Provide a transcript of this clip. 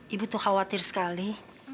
ibu tuh khawatir sekali